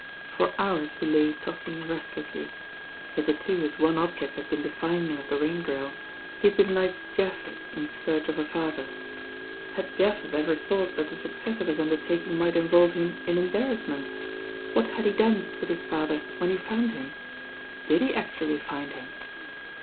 For hours he lay tossing restlessly. Hitherto his one object had been the finding of the Rain Girl. He had been like Japheth in search of a father. Had Jp'^heth ever thought that the success of his undertaking might involve him in embarrassment? What had 10S THE RAIN GIRL he done with his father when he found him? Did he actually find him?